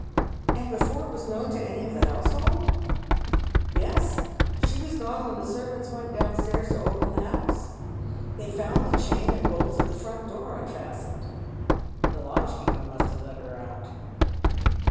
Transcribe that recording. " And before it was known to any of the household ?"" Yea. She was gone when the servants went downstairs to open the house. They found the chain and bolta of the fiont door unfastened." " The lodgekeeper must have let her out."